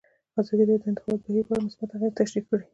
ازادي راډیو د د انتخاباتو بهیر په اړه مثبت اغېزې تشریح کړي.